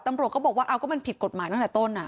ตำรวจก็บอกว่าเอาก็มันผิดกฎหมายตั้งแต่ต้น